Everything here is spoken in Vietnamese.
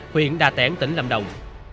huyện đà tẻn tỉnh lâm đồng